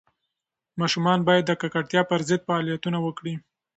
ماشومان باید د ککړتیا پر ضد فعالیتونه وکړي.